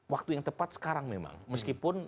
waktu yang tepat sekarang memang meskipun